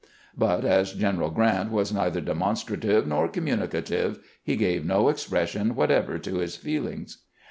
" But as General Grrant was neither demonstrative nor communicative, he gave no expres sion whatever to his feelings.